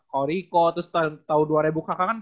koreko terus tahun dua ribu kakak kan